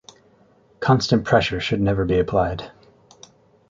Constant pressure should never be applied.